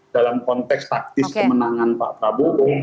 dalam konteks taktis kemenangan pak prabowo